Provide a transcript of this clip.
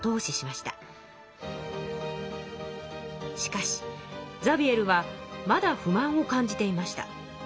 しかしザビエルはまだ不満を感じていました。